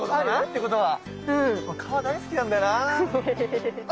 川大好きなんだよな。